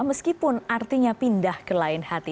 meskipun artinya pindah ke lain hati